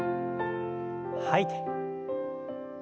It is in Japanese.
吐いて。